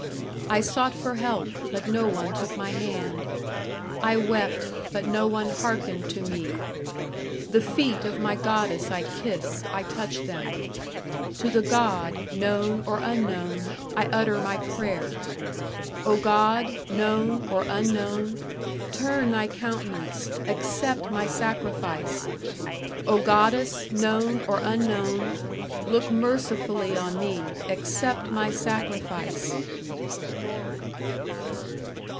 I sought for help, but no one took my hand; I wept, but no one harkened to me.... The feet of my goddess I kiss, I touch them; To the god, known or unknown, I utter my prayer; O god, known or unknown, turn thy countenance, accept my sacrifice; O goddess, known or unknown, look mercifully on me, accept my sacrifice!